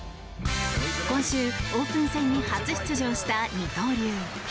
今週、オープン戦に初出場した二刀流。